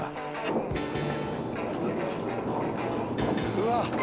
うわっ！